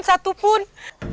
masih ada yang bangun